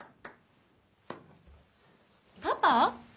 パパ？